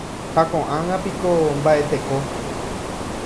Ha koʼág̃a piko mbaʼeteko?